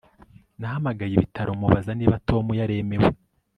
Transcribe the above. Nahamagaye ibitaro mubaza niba Tom yaremewe